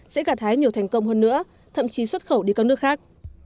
sẽ gạt hái nhiều thành công hơn nữa thậm chí xuất khẩu đi các nước khác